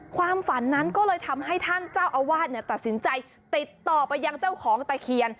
ความฝันนั้นก็เลยทำให้ท่านเจ้าอาวาสตัดสินใจติดต่อไปยังเจ้าของตะเคียน